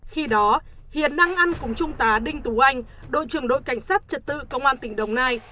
khi đó hiền đang ăn cùng trung tá đinh tú anh đội trưởng đội cảnh sát trật tự công an tỉnh đồng nai